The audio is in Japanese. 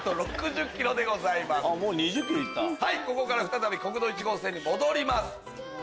ここから再び国道１号線に戻ります。